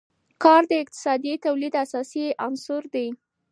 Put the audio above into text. کار د اقتصادي تولید اساسي عنصر دی.